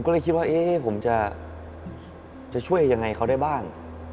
ผมก็เลยคิดว่าเอ๊ะผมจะช่วยยังไงกับเค้าใด้บ้าง